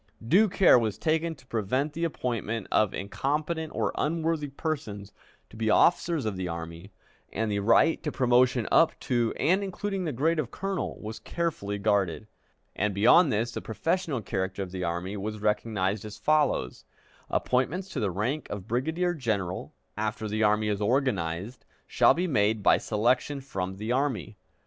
Due care was taken to prevent the appointment of incompetent or unworthy persons to be officers of the army, and the right to promotion up to and including the grade of colonel was carefully guarded, and beyond this the professional character of the army was recognized as follows: "Appointments to the rank of brigadier general, after the army is organized, shall be made by selection from the army."